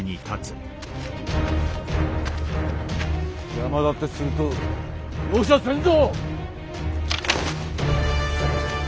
邪魔立てすると容赦せんぞ！